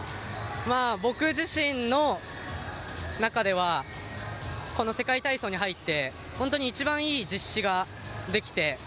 僕自身の中ではこの世界体操に入って本当に一番いい実施ができて。